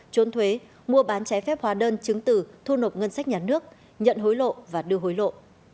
trốn thuế mua bán trái phép hóa đơn chứng từ thu nộp ngân sách nhà nước nhận hối lộ và đưa hối lộ